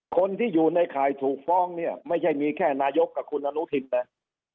คนที่อยู่ในข่ายถูกฟ้องเนี่ยไม่ใช่มีแค่นายกกับคุณอนุทินนะ